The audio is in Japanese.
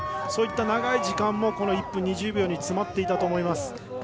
そういった長い時間がこの１分２０秒に詰まっていたと思います。